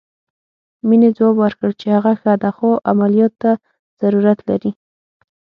مينې ځواب ورکړ چې هغه ښه ده خو عمليات ته ضرورت لري.